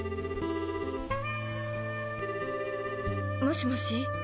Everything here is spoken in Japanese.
もしもし？